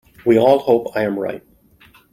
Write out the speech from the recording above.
We all hope I am right.